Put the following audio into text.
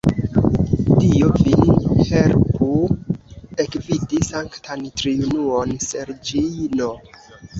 Dio vin helpu ekvidi Sanktan Triunuon-Sergij'n.